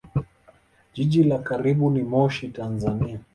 Jiji la karibu ni Moshi, Tanzania.